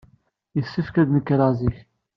Yessefk ad d-nekreɣ zik.